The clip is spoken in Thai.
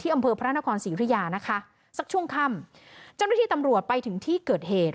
อำเภอพระนครศรีอุทยานะคะสักช่วงค่ำเจ้าหน้าที่ตำรวจไปถึงที่เกิดเหตุ